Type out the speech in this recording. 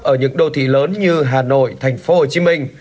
ở những đô thị lớn như hà nội thành phố hồ chí minh